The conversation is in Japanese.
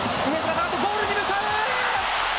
ゴールに向かう。